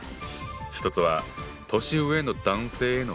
１つは「年上の男性」への敬称。